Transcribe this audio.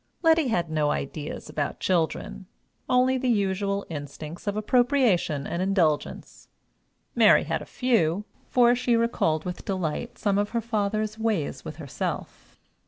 Letty had no ideas about children, only the usual instincts of appropriation and indulgence; Mary had a few, for she recalled with delight some of her father's ways with herself.